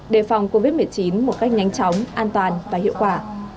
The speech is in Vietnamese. đề phòng covid một mươi chín một cách nhanh chóng an toàn và hiệu quả